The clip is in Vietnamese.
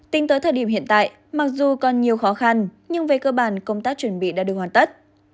tính tới thời điểm hiện tại mặc dù còn nhiều khó khăn nhưng về cơ bản công tác chuẩn bị đã được hoàn tất